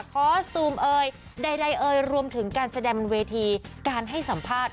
คอสตูมเอยใดเอ่ยรวมถึงการแสดงบนเวทีการให้สัมภาษณ์